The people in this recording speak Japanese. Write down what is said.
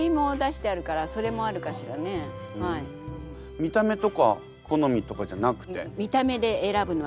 見た目とか好みとかじゃなくて？